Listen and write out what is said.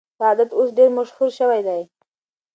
دا عادت اوس ډېر مشهور شوی دی.